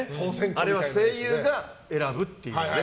あれは声優が選ぶっていうね。